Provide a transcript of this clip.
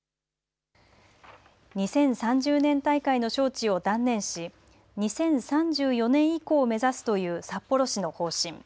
２０３０年大会の招致を断念し２０３４年以降を目指すという札幌市の方針。